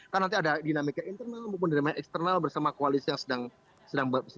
kan nanti ada dinamika internal mungkin dinamika eksternal bersama koalis yang sedang membentuk ini